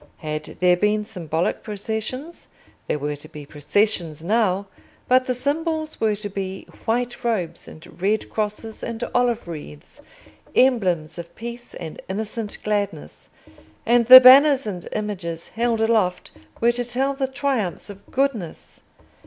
Had there been symbolic processions? There were to be processions now, but the symbols were to be white robes and red crosses and olive wreaths—emblems of peace and innocent gladness—and the banners and images held aloft were to tell the triumphs of goodness.